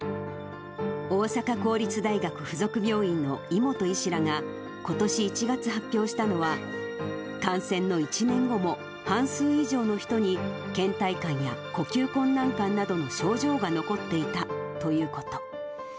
大阪公立大学附属病院の井本医師らが、ことし１月発表したのは、感染の１年後も半数以上の人にけん怠感や呼吸困難感などの症状が残っていたということ。